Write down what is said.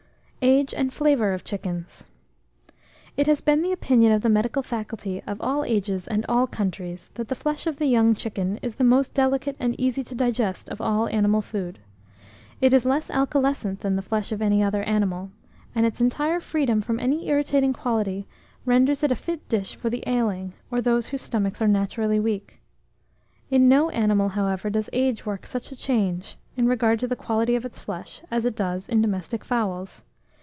AGE AND FLAVOUR OF CHICKENS. It has been the opinion of the medical faculty of all ages and all countries, that the flesh of the young chicken is the must delicate and easy to digest of all animal food. It is less alkalescent than the flesh of any other animal, and its entire freedom from any irritating quality renders it a fit dish for the ailing, or those whose stomachs are naturally weak. In no animal, however, does age work such a change, in regard to the quality of its flesh, as it does in domestic fowls.